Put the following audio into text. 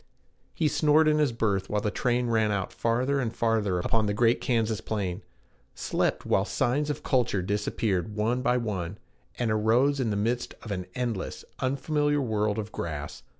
He snored in his berth while the train ran out farther and farther upon the great Kansas plain; slept while signs of culture disappeared one by one, and arose in the midst of an endless, unfamiliar world of grass.